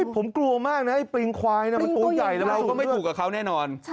ผมกลัวมากนะไอ้ปริงควายมันตัวใหญ่แล้วมันก็ไม่ถูกกับเขาแน่นอน